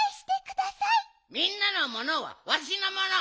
みんなのものはわしのもの。